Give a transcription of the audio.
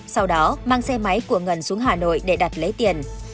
sau đó mang xe máy của ngân xuống hà nội để đặt lấy tiền